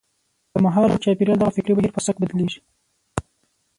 د مهال او چاپېریال دغه فکري بهیر په سبک بدلېږي.